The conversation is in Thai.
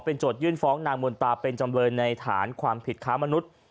โจทยื่นฟ้องนางมนตาเป็นจำเลยในฐานความผิดค้ามนุษย์